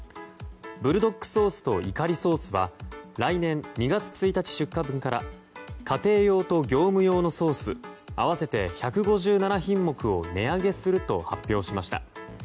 ブルドックソースとイカリソースは来年２月１日出荷分から家庭用と業務用のソース合わせて１５７品目を値上げすると発表しました。